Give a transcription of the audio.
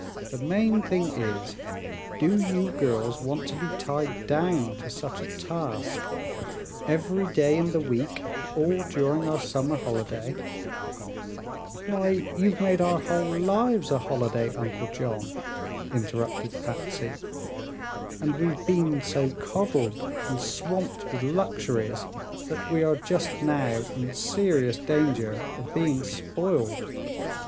"The main thing is, do you girls want to be tied down to such a task? Every day in the week, all during our summer holiday " "Why, you've made our whole lives a holiday, Uncle John," interrupted Patsy, "and we've been so coddled and swamped with luxuries that we are just now in serious danger of being spoiled!